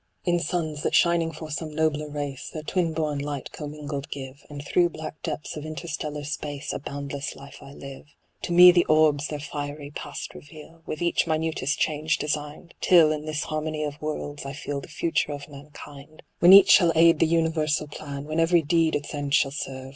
In suns, that shining for some nobler race Their twin born light commingled give, And through black depths of interstellar space A boundless life I live. To me the orbs their fiery past reveal. With each minutest change designed ; Till, in this harmony of worlds, I feel The future of mankind. When each shall aid the universal plan, AVhen every deed its end shall serve.